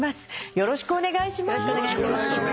よろしくお願いします。